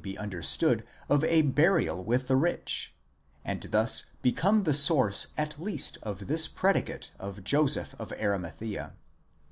be understood of a burial with the rich, and thus become the source at least of this predicate of Joseph of Arimathea.